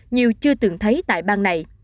nhiều chưa từng thấy tại bang này